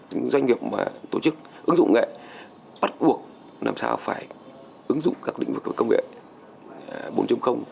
những doanh nghiệp mà tổ chức ứng dụng nghệ bắt buộc làm sao phải ứng dụng các định vực công nghệ bốn